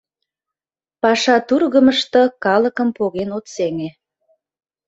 Паша тургымышто калыкым поген от сеҥе.